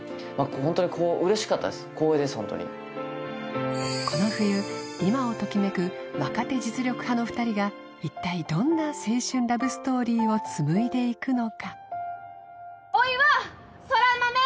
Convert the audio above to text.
ホントにこの冬今をときめく若手実力派の２人が一体どんな青春ラブストーリーを紡いでいくのかおいは空豆！